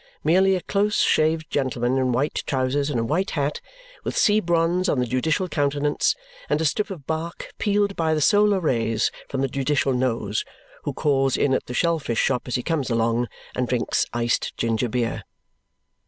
Merely a close shaved gentleman in white trousers and a white hat, with sea bronze on the judicial countenance, and a strip of bark peeled by the solar rays from the judicial nose, who calls in at the shell fish shop as he comes along and drinks iced ginger beer!